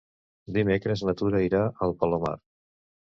Dimecres na Tura anirà al Palomar.